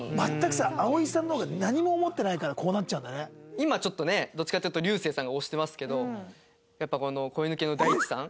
今ちょっとどっちかっていうと流星さんが押してますけどやっぱ子犬系の大地さん